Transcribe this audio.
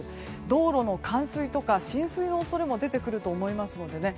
道路の冠水とか浸水の恐れも出てくると思いますのでね。